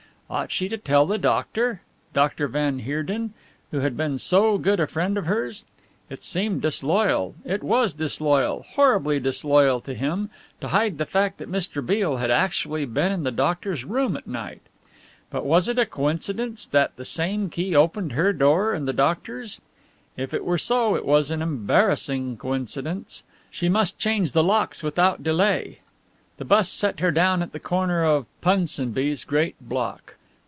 Ought she to tell the doctor Dr. van Heerden, who had been so good a friend of hers? It seemed disloyal, it was disloyal, horribly disloyal to him, to hide the fact that Mr. Beale had actually been in the doctor's room at night. But was it a coincidence that the same key opened her door and the doctor's? If it were so, it was an embarrassing coincidence. She must change the locks without delay. The bus set her down at the corner of Punsonby's great block.